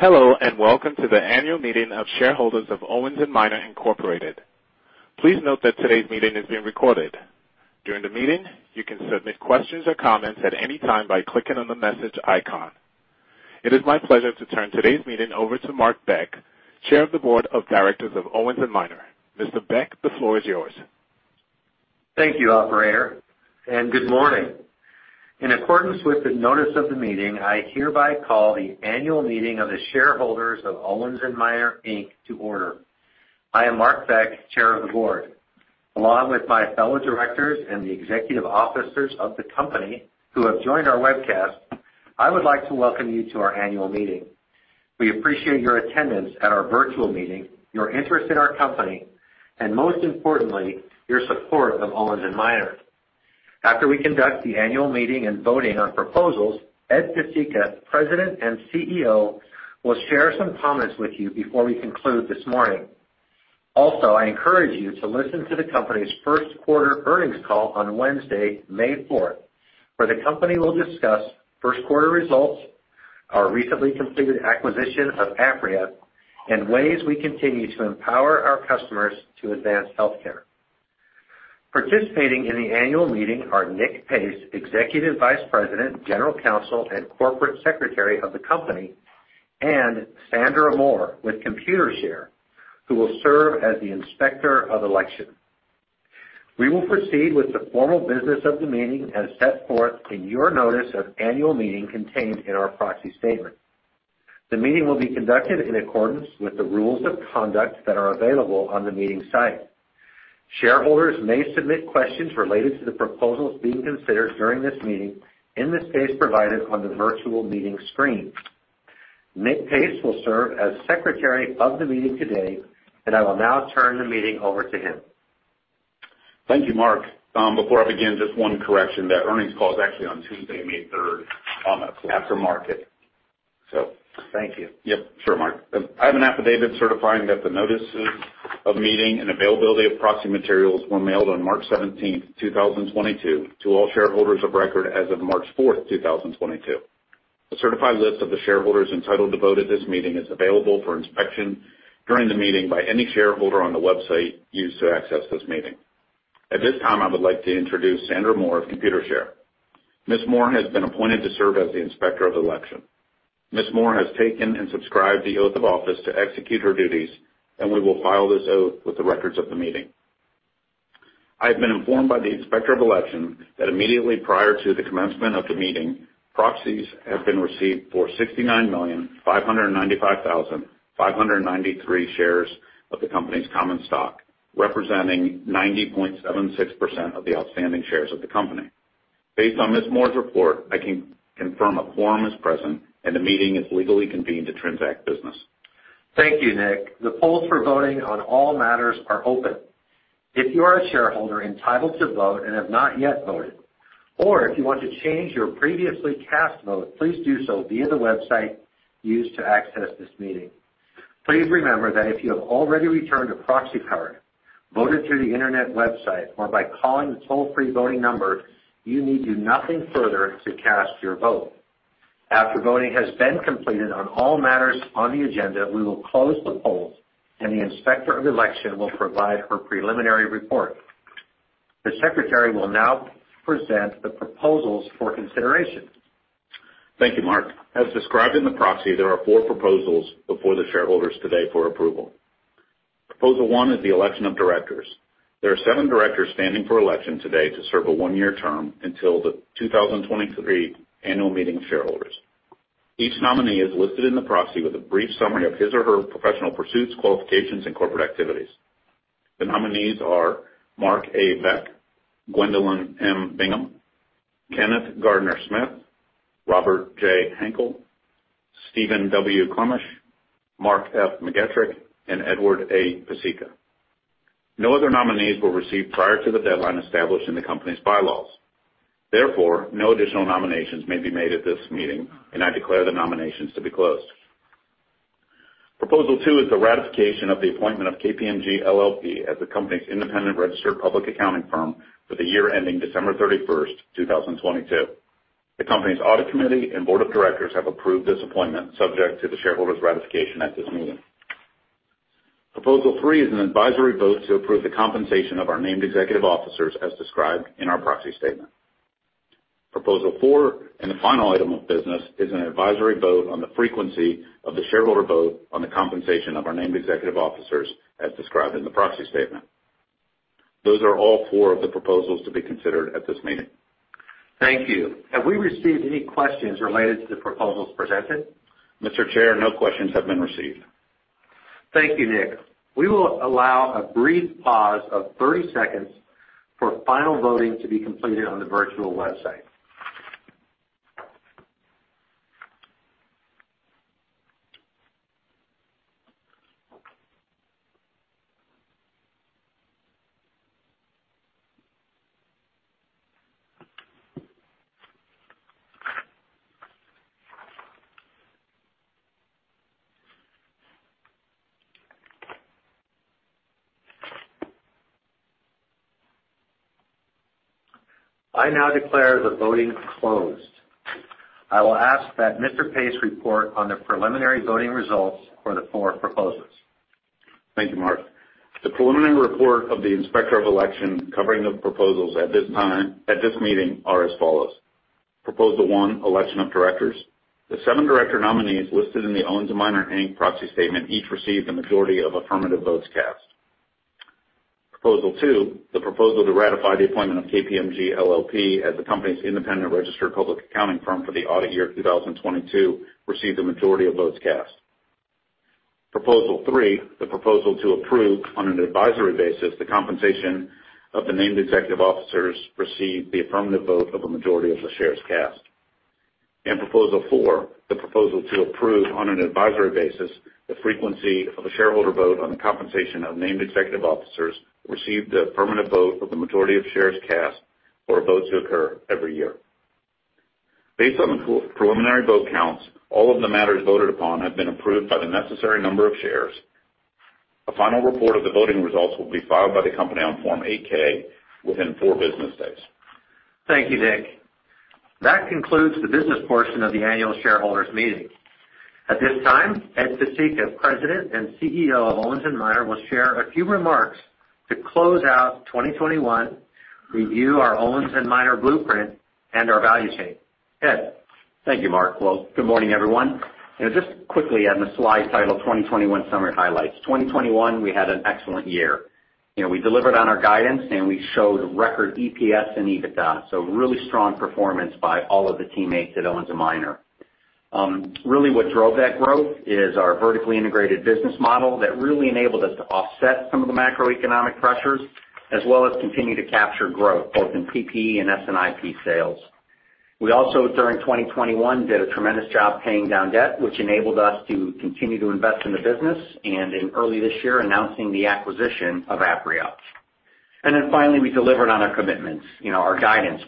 Hello, and welcome to the annual meeting of shareholders of Owens & Minor, Inc. Please note that today's meeting is being recorded. During the meeting, you can submit questions or comments at any time by clicking on the message icon. It is my pleasure to turn today's meeting over to Mark Beck, Chair of the Board of Directors of Owens & Minor. Mr. Beck, the floor is yours. Thank you, operator, and good morning. In accordance with the notice of the meeting, I hereby call the annual meeting of the shareholders of Owens & Minor, Inc. to order. I am Mark Beck, Chair of the Board. Along with my fellow directors and the executive officers of the company who have joined our webcast, I would like to welcome you to our annual meeting. We appreciate your attendance at our virtual meeting, your interest in our company, and most importantly, your support of Owens & Minor. After we conduct the annual meeting and voting on proposals, Ed Pesicka, President and CEO, will share some comments with you before we conclude this morning. Also, I encourage you to listen to the company's first quarter earnings call on Wednesday, May fourth, where the company will discuss first quarter results, our recently completed acquisition of Apria, and ways we continue to empower our customers to advance healthcare. Participating in the annual meeting are Nick Pace, Executive Vice President, General Counsel, and Corporate Secretary of the company, and Sandra Moore with Computershare, who will serve as the Inspector of Election. We will proceed with the formal business of the meeting as set forth in your notice of annual meeting contained in our proxy statement. The meeting will be conducted in accordance with the rules of conduct that are available on the meeting site. Shareholders may submit questions related to the proposals being considered during this meeting in the space provided on the virtual meeting screen. Nick Pace will serve as Secretary of the meeting today, and I will now turn the meeting over to him. Thank you, Mark. Before I begin, just one correction. That earnings call is actually on Tuesday, May third, after market. Thank you. Yep. Sure, Mark. I have an affidavit certifying that the notices of meeting and availability of proxy materials were mailed on March 17, 2022 to all shareholders of record as of March 4, 2022. A certified list of the shareholders entitled to vote at this meeting is available for inspection during the meeting by any shareholder on the website used to access this meeting. At this time, I would like to introduce Sandra Moore of Computershare. Ms. Moore has been appointed to serve as the Inspector of Election. Ms. Moore has taken and subscribed the oath of office to execute her duties, and we will file this oath with the records of the meeting. I have been informed by the Inspector of Election that immediately prior to the commencement of the meeting, proxies have been received for 69,595,593 shares of the company's common stock, representing 90.76% of the outstanding shares of the company. Based on Ms. Moore's report, I can confirm a quorum is present and the meeting is legally convened to transact business. Thank you, Nick. The polls for voting on all matters are open. If you are a shareholder entitled to vote and have not yet voted, or if you want to change your previously cast vote, please do so via the website used to access this meeting. Please remember that if you have already returned a proxy card, voted through the Internet website or by calling the toll-free voting number, you need to do nothing further to cast your vote. After voting has been completed on all matters on the agenda, we will close the polls, and the Inspector of Elections will provide her preliminary report. The Secretary will now present the proposals for consideration. Thank you, Mark. As described in the proxy, there are four proposals before the shareholders today for approval. Proposal one is the election of directors. There are seven directors standing for election today to serve a one-year term until the 2023 annual meeting of shareholders. Each nominee is listed in the proxy with a brief summary of his or her professional pursuits, qualifications, and corporate activities. The nominees are Mark A. Beck, Gwendolyn M. Bingham, Kenneth Gardner-Smith, Robert J. Henkel, Stephen W. Klemash, Mark F. McGettrick, and Edward A. Pesicka. No other nominees were received prior to the deadline established in the company's bylaws. Therefore, no additional nominations may be made at this meeting, and I declare the nominations to be closed. Proposal Two is the ratification of the appointment of KPMG LLP as the company's independent registered public accounting firm for the year ending December 31, 2022. The company's audit committee and board of directors have approved this appointment subject to the shareholders' ratification at this meeting. Proposal Three is an advisory vote to approve the compensation of our named executive officers as described in our proxy statement. Proposal Four and the final item of business is an advisory vote on the frequency of the shareholder vote on the compensation of our named executive officers as described in the proxy statement. Those are all four of the proposals to be considered at this meeting. Thank you. Have we received any questions related to the proposals presented? Mr. Chair, no questions have been received. Thank you, Nick. We will allow a brief pause of 30 seconds for final voting to be completed on the virtual website. I now declare the voting closed. I will ask that Mr. Pace report on the preliminary voting results for the four proposals. Thank you, Mark. The preliminary report of the inspector of election covering the proposals at this time, at this meeting are as follows. Proposal one, election of directors. The seven director nominees listed in the Owens & Minor, Inc. proxy statement each received the majority of affirmative votes cast. Proposal two, the proposal to ratify the appointment of KPMG LLP as the company's independent registered public accounting firm for the audit year of 2022 received the majority of votes cast. Proposal three, the proposal to approve on an advisory basis the compensation of the named executive officers, received the affirmative vote of a majority of the shares cast. Proposal Four, the proposal to approve on an advisory basis the frequency of a shareholder vote on the compensation of named executive officers, received the affirmative vote of the majority of shares cast for a vote to occur every year. Based on the preliminary vote counts, all of the matters voted upon have been approved by the necessary number of shares. A final report of the voting results will be filed by the company on Form 8-K within four business days. Thank you, Nick. That concludes the business portion of the annual shareholders meeting. At this time, Ed Pesicka, President and CEO of Owens & Minor, will share a few remarks to close out 2021, review our Owens & Minor blueprint, and our value chain. Ed. Thank you, Mark. Well, good morning, everyone. You know, just quickly on the slide titled "2021 summary highlights." In 2021, we had an excellent year. You know, we delivered on our guidance, and we showed record EPS and EBITDA, so really strong performance by all of the teammates at Owens & Minor. Really, what drove that growth is the vertically integrated business model that really enabled us to offset some of the macroeconomic pressures, as well as continue to capture growth both in PPE and S&IP sales. We also, during 2021, did a tremendous job paying down debt, which enabled us to continue to invest in the business, and in early this year, announced the acquisition of Apria. Finally, we delivered on our commitments. You know, our guidance.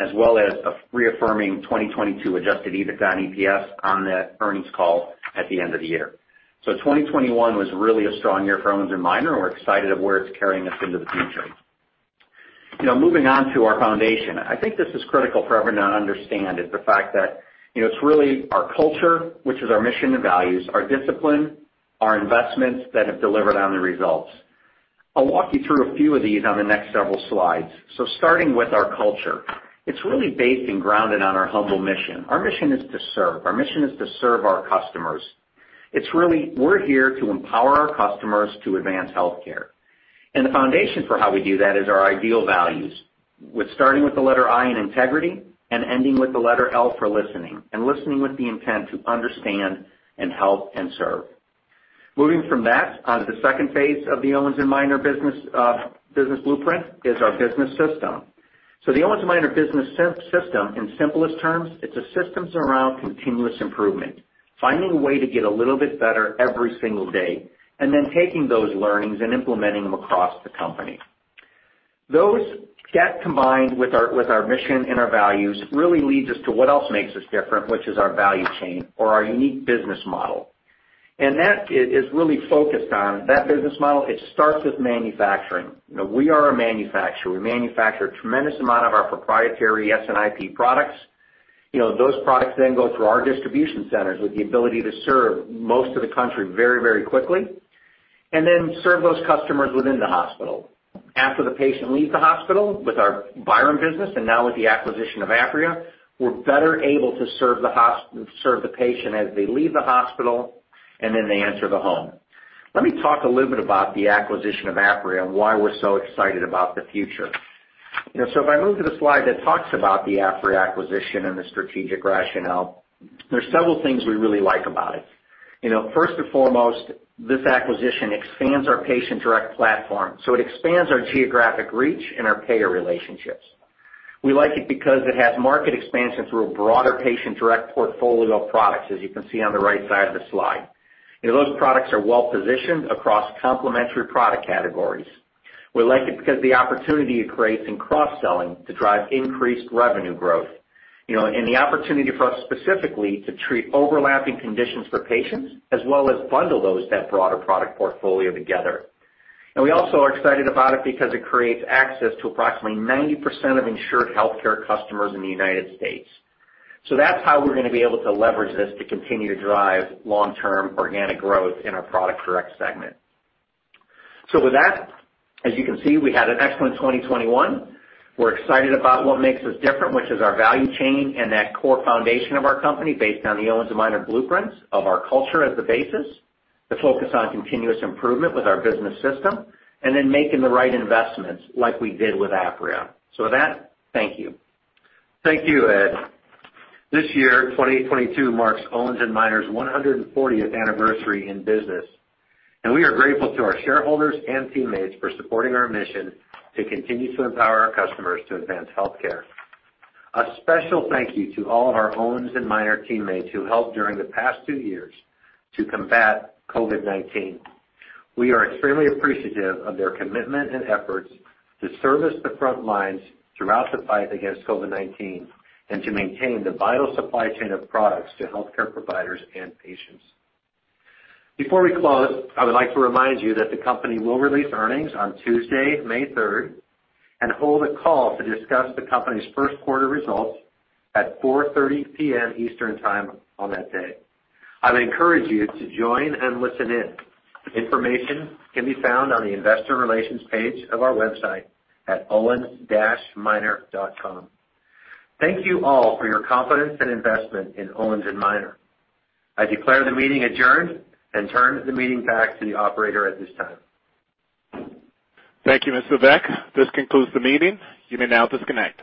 As well as reaffirming 2022 Adjusted EBITDA and EPS on the earnings call at the end of the year. 2021 was really a strong year for Owens & Minor, and we're excited about where it's carrying us into the future. You know, moving on to our foundation, I think this is critical for everyone to understand is the fact that, you know, it's really our culture, which is our mission and values, our discipline, our investments that have delivered on the results. I'll walk you through a few of these on the next several slides. Starting with our culture, it's really based and grounded on our humble mission. Our mission is to serve. Our mission is to serve our customers. We're here to empower our customers to advance healthcare. The foundation for how we do that is our IDEAL values, starting with the letter I in integrity and ending with the letter L for listening, and listening with the intent to understand and help and serve. Moving from that onto the second phase of the Owens & Minor business blueprint is our business system. The Owens & Minor business system in simplest terms, it's a system around continuous improvement, finding a way to get a little bit better every single day, and then taking those learnings and implementing them across the company. Those that combined with our mission and our values really lead us to what else makes us different, which is our value chain or our unique business model. That is really focused on that business model. It starts with manufacturing. You know, we are a manufacturer. We manufacture a tremendous amount of our proprietary S&IP products. You know, those products then go through our distribution centers with the ability to serve most of the country very, very quickly. Then serve those customers within the hospital. After the patient leaves the hospital with our Byram business and now with the acquisition of Apria, we're better able to serve the patient as they leave the hospital, and then they enter the home. Let me talk a little bit about the acquisition of Apria and why we're so excited about the future. You know, if I move to the slide that talks about the Apria acquisition and the strategic rationale, there's several things we really like about it. You know, first and foremost, this acquisition expands our Patient Direct platform. It expands our geographic reach and our payer relationships. We like it because it has market expansion through a broader Patient Direct portfolio of products, as you can see on the right side of the slide. You know, those products are well-positioned across complementary product categories. We like it because the opportunity it creates in cross-selling to drive increased revenue growth, you know, and the opportunity for us specifically to treat overlapping conditions for patients, as well as bundle those with that broader product portfolio together. We also are excited about it because it creates access to approximately 90% of insured healthcare customers in the United States. That's how we're gonna be able to leverage this to continue to drive long-term organic growth in our Patient Direct segment. With that, as you can see, we had an excellent 2021. We're excited about what makes us different, which is our value chain and that core foundation of our company based on the Owens & Minor blueprints of our culture as the basis, the focus on continuous improvement with our business system, and then making the right investments like we did with Apria. With that, thank you. Thank you, Ed. This year, 2022, marks Owens & Minor's 140th anniversary in business, and we are grateful to our shareholders and teammates for supporting our mission to continue to empower our customers to advance healthcare. A special thank you to all of our Owens & Minor teammates who helped during the past two years to combat COVID-19. We are extremely appreciative of their commitment and efforts to service the front lines throughout the fight against COVID-19 and to maintain the vital supply chain of products to healthcare providers and patients. Before we close, I would like to remind you that the company will release earnings on Tuesday, May 3, and hold a call to discuss the company's first quarter results at 4:30 P.M. Eastern time on that day. I would encourage you to join and listen in. Information can be found on the investor relations page of our website at owens-minor.com. Thank you all for your confidence and investment in Owens & Minor. I declare the meeting adjourned and turn the meeting back to the operator at this time. Thank you, Mr. Beck. This concludes the meeting. You may now disconnect.